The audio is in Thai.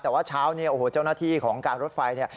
แต่ว่าเช้านี้เจ้าหน้าที่ของการรถไฟ